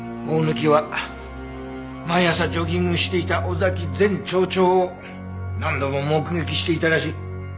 大貫は毎朝ジョギングしていた尾崎前町長を何度も目撃していたらしい。